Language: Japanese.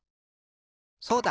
そうだ！